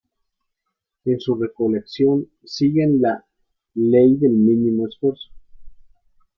En su recolección siguen la "ley del mínimo esfuerzo".